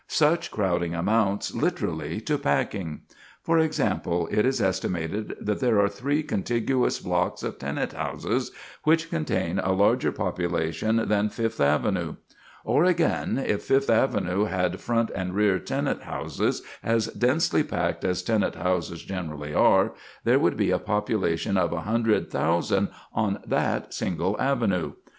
Such crowding amounts literally to packing. For example, it is estimated that there are three contiguous blocks of tenant houses which contain a larger population than Fifth Avenue; or, again, if Fifth Avenue had front and rear tenant houses as densely packed as tenant houses generally are, there would be a population of 100,000 on that single avenue.